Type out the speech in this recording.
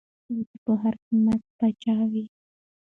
هغه غوښتل چي په هر قیمت پاچا وي.